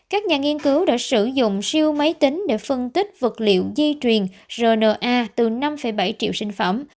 các nhà nghiên cứu đã sử dụng siêu máy tính để phân tích vật liệu dây truyền rna từ năm bảy triệu sinh phẩm